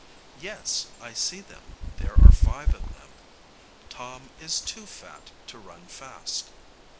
Yes, I see them; there are five of them. Tom is too fat to run fast.